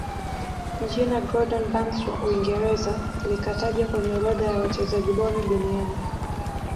jina gordon banks wa Uingereza likatajwa kwenye orodha ya wachezaji bora duniani